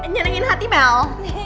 nyenengin hati mel